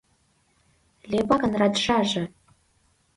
ЛЕБАКЫН РАДЖАЖЕ